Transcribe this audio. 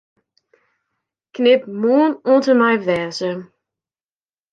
Knip 'Moarn' oant en mei 'wêze'.